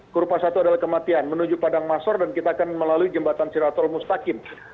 kurva satu adalah kematian menuju padang masor dan kita akan melalui jembatan siratul mustaqim